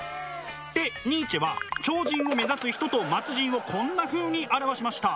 でニーチェは超人を目指す人と末人をこんなふうに表しました。